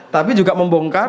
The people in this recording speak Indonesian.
tapi juga membongkar